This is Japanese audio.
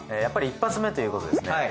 やっぱり１発目ということでですね